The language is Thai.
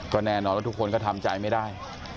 ก็แน่นอนว่าทุกคนก็ทำใจไม่ได้